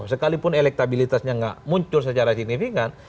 sekalipun elektabilitasnya nggak muncul secara signifikan